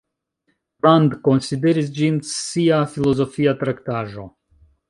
Rand konsideris ĝin sia filozofia traktaĵo.